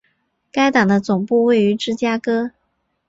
该党的总部位于芝加哥。